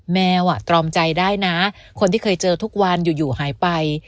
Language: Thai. แมวตรอมใจได้นะคนที่เคยเจอทุกวันอยู่หายไป